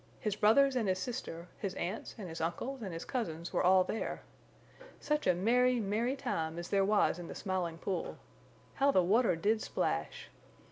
His brothers and his sister, his aunts and his uncles and his cousins were all there. Such a merry, merry time as there was in the Smiling Pool! How the water did splash!